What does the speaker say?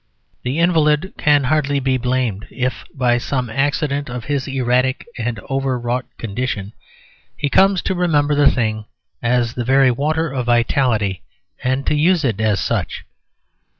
The invalid can hardly be blamed if by some accident of his erratic and overwrought condition he comes to remember the thing as the very water of vitality and to use it as such.